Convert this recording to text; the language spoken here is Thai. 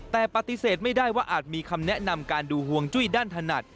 แต่ปฏิเสธไม่ได้ว่าอาจมีคำแนะนำการดูห่วงจุ้ยด้านถนัด